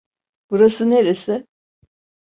Burası neresi?